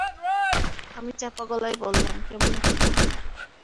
আমি চাপা গলায় বললাম, কেমন আছ মা?